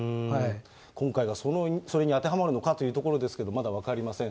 今回がそれに当てはまるのかというところですけれども、まだ分かりません。